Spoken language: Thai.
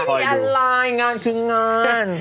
มีอะไรงานคืองาน